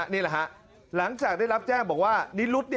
นี่แหละฮะหลังจากได้รับแจ้งบอกว่านิรุธ